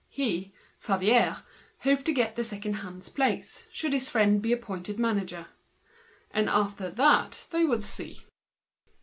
He, Favier, hoped to get the second hand's place, should his friend be appointed manager. Then, they would see.